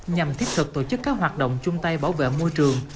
nhằm thiết thực tổ chức các hoạt động chung tay bảo vệ môi trường